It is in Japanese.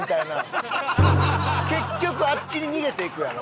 結局あっちに逃げていくやろ？